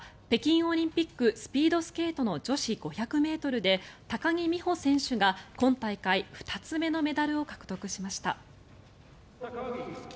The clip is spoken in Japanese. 北京オリンピックスピードスケートの女子５００ｍで高木美帆選手が今大会２つ目のメダルを獲得しました。